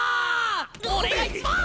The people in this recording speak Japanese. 俺が１番！